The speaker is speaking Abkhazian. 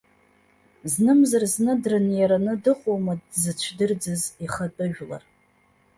Знымзар-зны дрыниараны дыҟоума дзыцәдырӡыз ихатәы жәлар?